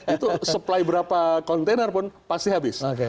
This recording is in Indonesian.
itu supply berapa kontainer pun pasti habis